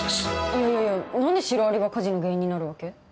いやいやいや何でシロアリが火事の原因になるわけ？